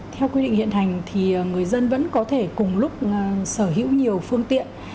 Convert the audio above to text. theo quy định hiện hành thì người dân vẫn có thể cùng lúc sở hữu nhiều phương tiện